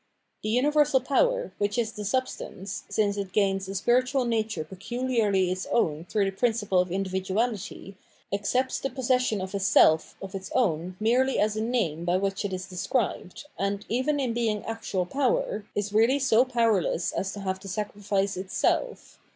The universal power, which is the substance, since it gains a spiritual nature peculiarly its own through the principle of individuahty, accepts the possession of a self of its own merely as a name by which it is described, and, even in being actual power, is really so powerless as to have to sacrifice itself.